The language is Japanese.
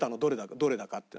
どれだかっていうの。